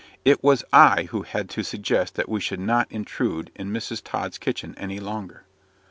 It was I who had to suggest that we should not intrude in Mrs. Tod's kitchen any longer.